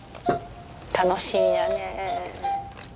楽しみやね。